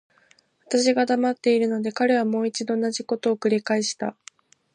私が黙っているので、彼はもう一度同じことを繰返した。